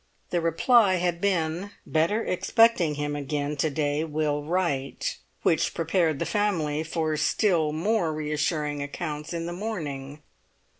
The reply had been: "Better expecting him again to day will write"—which prepared the family for still more reassuring accounts in the morning.